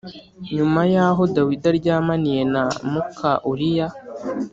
nyuma y aho Dawidi aryamaniye na muka uriya